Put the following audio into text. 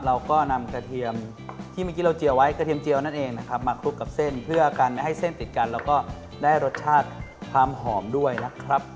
เราก็นำกระเทียมที่เมื่อกี้เราเจียวไว้กระเทียมเจียวนั่นเองนะครับมาคลุกกับเส้นเพื่อกันไม่ให้เส้นติดกันแล้วก็ได้รสชาติความหอมด้วยนะครับ